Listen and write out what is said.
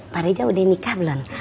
pak reza udah nikah belum